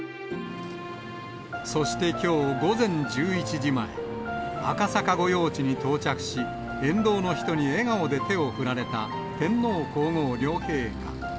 そしてきょう午前１１時前、赤坂御用地に到着し、沿道の人に笑顔で手を振られた天皇皇后両陛下。